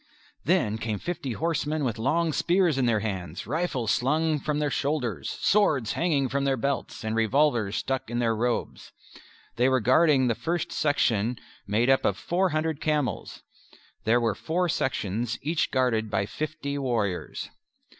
Then came fifty horsemen with long spears in their hands, rifles slung from their shoulders, swords hanging from their belts, and revolvers stuck in their robes. They were guarding the first section made up of four hundred camels. There were four sections, each guarded by fifty warriors.